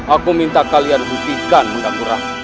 aku minta kalian hentikan mengganggu rakyat